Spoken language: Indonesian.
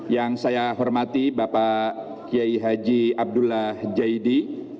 yang saya hormati bapak kiai haji abdullah jaidi